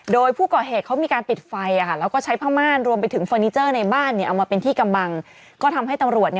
โดยผู้ก่อเหตุเขามีการปิดไฟค่ะ